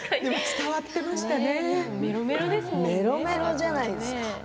伝わってましたねメロメロじゃないですか。